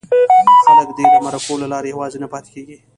خلک دې د مرکو له لارې یوازې نه پاتې کېږي.